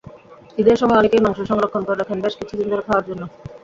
ঈদের সময় অনেকেই মাংস সংরক্ষণ করে রাখেন বেশ কিছুদিন ধরে খাওয়ার জন্য।